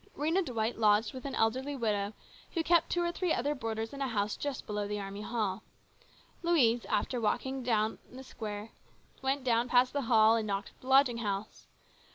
Rhena Dwight lodged with an elderly widow who kept two or three other boarders in a house just below the Army Hall. Louise, after walking round the square, went down past the hall and knocked at this lodging house.